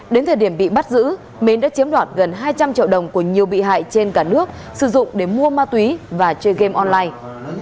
đến thời điểm bị bắt giữ mến đã chiếm đoạt gần hai trăm linh triệu đồng của nhiều bị hại trên cả nước sử dụng để mua ma túy và chơi game online